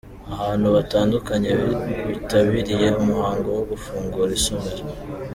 Abantu batandukanye bitabiriye umuhango wo gufungura isomero.